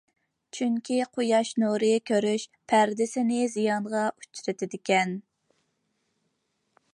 چۈنكى قۇياش نۇرى كۆرۈش پەردىسىنى زىيانغا ئۇچرىتىدىكەن.